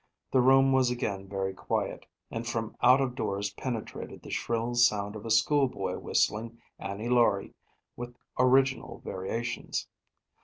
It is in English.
The room was again very quiet, and from out of doors penetrated the shrill sound of a schoolboy whistling "Annie Laurie" with original variations.